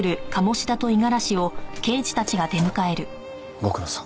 ご苦労さん。